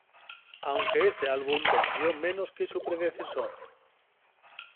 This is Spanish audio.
Aunque este álbum vendió menos que su predecesor.